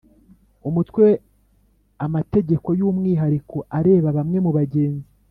Umutwe amategeko y umwihariko areba bamwe mu bagenzi